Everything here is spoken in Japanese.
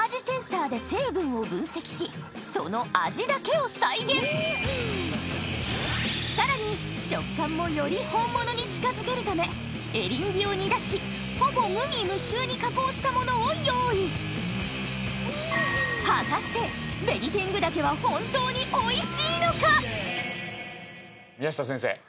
センサーで成分を分析しその味だけを再現さらに食感もより本物に近づけるためエリンギを煮だしほぼ無味無臭に加工したものを用意果たしてベニテングダケは宮下先生